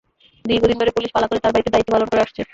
দীর্ঘদিন ধরে পুলিশ পালা করে তাঁর বাড়িতে দায়িত্ব পালন করে আসছে।